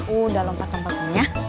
udah lompat lompatin ya